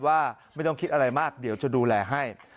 ว่าไม่ต้องคิดอะไรมากเดี๋ยวจะดูแลให้